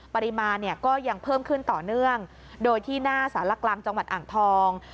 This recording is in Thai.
ปริมาณเนี่ยก็ยังเพิ่มขึ้นต่อเนื่องโดยที่หน้าสารกลางจังหวัดอ่างทอง